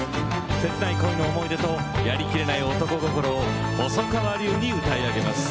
切ない恋の思い出とやりきれない男心を細川流に歌い上げます。